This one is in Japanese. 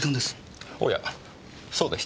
おやそうでした。